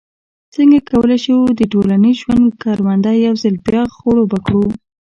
څنګه کولای شو د ټولنیز ژوند کرونده یو ځل بیا خړوبه کړو.